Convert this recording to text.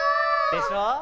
でしょ？